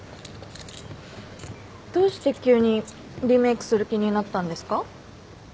どうして急にリメークする気になったんですか？